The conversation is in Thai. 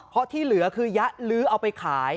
เพราะที่เหลือคือยะลื้อเอาไปขาย